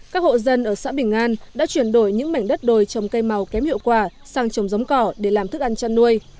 các hộ dân ở xã bình an đã chuyển đổi những mảnh đất đồi trồng cây màu kém hiệu quả sang trồng giống cỏ để làm thức ăn chăn nuôi